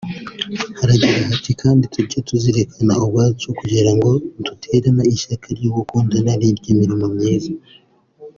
Haragira hati “…kandi tujye tuzirikana ubwacu kugira ngo duterane ishyaka ryo gukundana n’iry’imirimo myiza”